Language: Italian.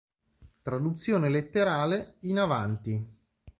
Traduzione letterale: in avanti.